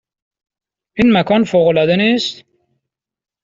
این مکان فوق العاده نیست؟